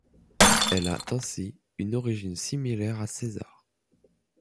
Elle a ainsi une origine similaire à Cesar.